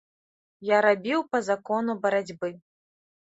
Я рабіў па закону барацьбы.